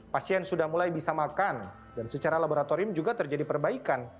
pasien sudah mulai bisa makan dan secara laboratorium juga terjadi perbaikan